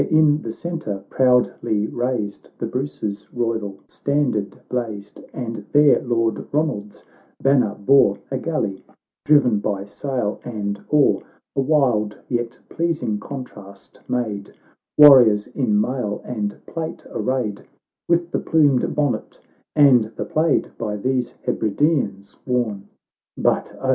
There, in the centre, proudly raised, The Bruce's royal standard blazed, And there Lord Ronald's banner bore A galley driven by sail and oar. A wild, yet pleasing contrast, made Warriors in mail and plate arrayed, "With the plumed bonnet and the plaid By these Hebrideans worn ; But O